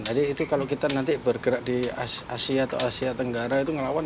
jadi itu kalau kita nanti bergerak di asia atau asia tenggara itu ngelawan